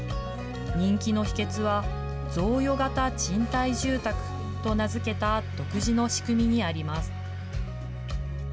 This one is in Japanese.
人気の秘けつは、贈与型賃貸住宅と名付けた独自の仕組みにあります。